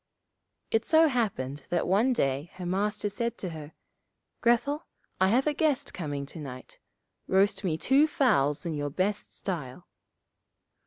It so happened that one day her master said to her, 'Grethel, I have a guest coming to night; roast me two fowls in your best style.'